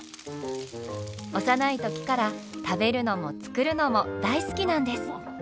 幼い時から食べるのも作るのも大好きなんです。